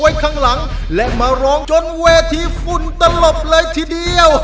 ข้างหลังและมาร้องจนเวทีฝุ่นตลบเลยทีเดียว